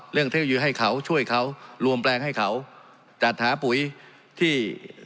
เรื่องเที่ยวยือให้เขาช่วยเขารวมแปลงให้เขาจัดหาปุ๋ยที่